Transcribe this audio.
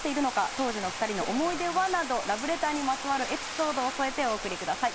当時の２人の思い出は？などラブレターにまつわるエピソードを添えてお送りください。